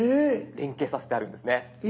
連携させてあるんですね。